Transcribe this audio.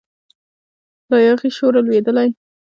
له یاغي شوره لویدلی